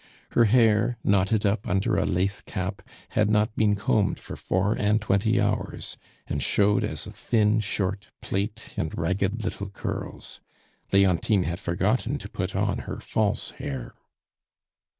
Her hair, knotted up under a lace cap, had not been combed for four and twenty hours, and showed as a thin, short plait and ragged little curls. Leontine had forgotten to put on her false hair.